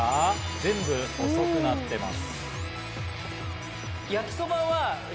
全部細くなっています。